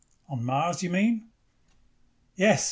"On Mars, you mean?" "Yes.